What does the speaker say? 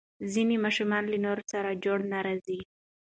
ځینې ماشومان له نورو سره جوړ نه راځي.